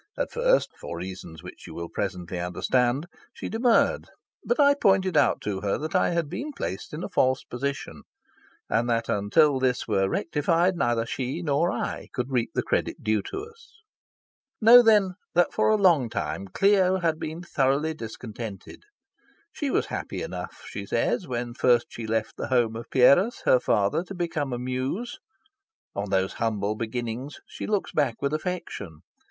At first (for reasons which you will presently understand) she demurred. But I pointed out to her that I had been placed in a false position, and that until this were rectified neither she nor I could reap the credit due to us. Know, then, that for a long time Clio had been thoroughly discontented. She was happy enough, she says, when first she left the home of Pierus, her father, to become a Muse. On those humble beginnings she looks back with affection.